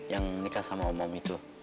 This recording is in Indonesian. yang nikah sama om om itu